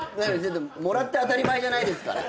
もらって当たり前じゃないですから。